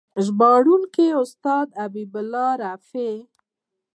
ژباړونکی: استاد حبیب الله رفیع